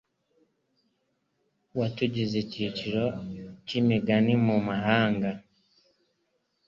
Watugize iciro ry’imigani mu mahanga